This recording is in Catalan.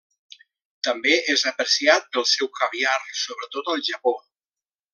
També és apreciat pel seu caviar, sobretot al Japó.